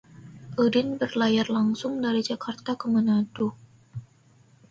Udin berlayar langsung dari Jakarta ke Manado